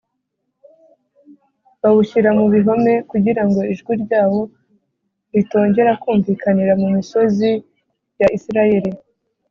bawushyira mu bihome kugira ngo ijwi ryawo ritongera kumvikanira mu misozi ya Isirayeli